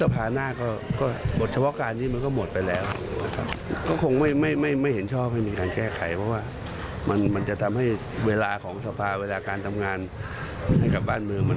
เพราะว่ามันจะทำให้เวลาของภภาคมปีและการทำงานให้กับบ้านเมือง